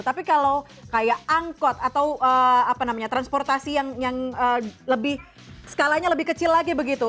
tapi kalau kayak angkot atau transportasi yang lebih skalanya lebih kecil lagi begitu